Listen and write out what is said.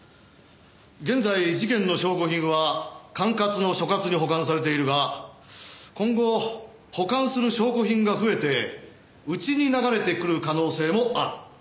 現在事件の証拠品は管轄の所轄に保管されているが今後保管する証拠品が増えてうちに流れてくる可能性もある。